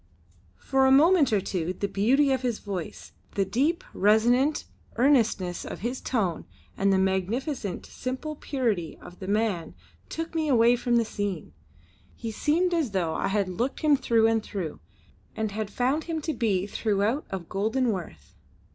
For a moment or two the beauty of his voice, the deep, resonant, earnestness of his tone and the magnificent, simple purity of the man took me away from the scene. He seemed as though I had looked him through and through, and had found him to be throughout of golden worth.